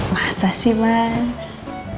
masa sih mas